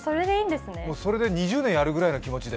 それで２０年やるぐらいの気持ちで。